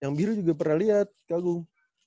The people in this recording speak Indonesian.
yang biru juga pernah liat keagung